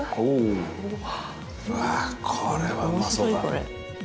うわこれはうまそうだ。